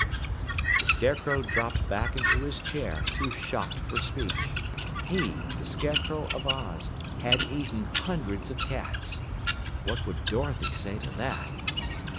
The Scarecrow dropped back into his chair, too shocked for speech. He, the Scarecrow of Oz, had eaten hundreds of cats! What would Dorothy say to that?